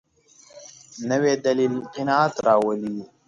نوی دلیل قناعت راولي